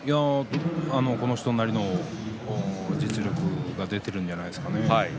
この人なりの実力が出ているんじゃないでしょうか。